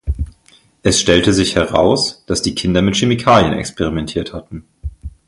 Es stellte sich heraus, dass die Kinder mit Chemikalien experimentiert hatten.